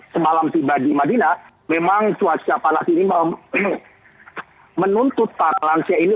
semalam tiba di madinah memang cuaca panas ini menuntut para lansia ini